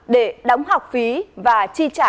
để đóng học phí và chi trả